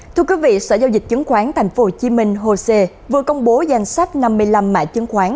thưa quý vị sở giao dịch chứng khoán tp hcm hồ sê vừa công bố danh sách năm mươi năm mại chứng khoán